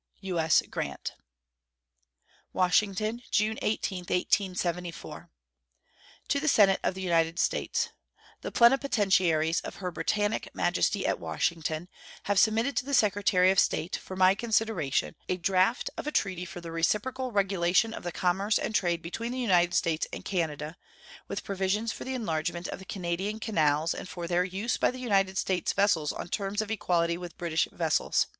U.S. GRANT. WASHINGTON, June 18, 1874. To the Senate of the United States: The plenipotentiaries of Her Britannic Majesty at Washington have submitted to the Secretary of State, for my consideration, a draft of a treaty for the reciprocal regulation of the commerce and trade between the United States and Canada, with provisions for the enlargement of the Canadian canals and for their use by United States vessels on terms of equality with British vessels.